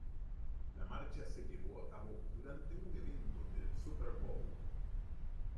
La marcha se llevó a cabo durante un evento del Super Bowl.